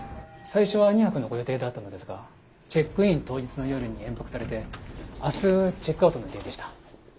最初は２泊のご予定だったのですがチェックイン当日の夜に延泊されて明日チェックアウトの予定でした。